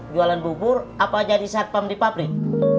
jualan bubur apa jadi satpam di pabrik